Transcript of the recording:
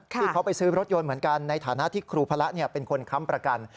ที่เขาไปซื้อรถยนต์เหมือนกันในฐานะที่ครูพระเป็นคนค้ำประกัน